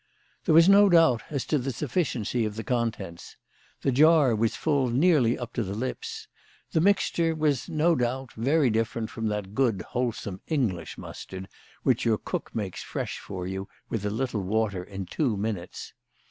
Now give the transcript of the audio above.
There was no doubt as to the sufficiency of the con tents. The jar was full nearly up to the lips. The mixture was, no doubt, very different from that good wholesome English mustard which your cook makes fresh for you, with a little water, in two minutes.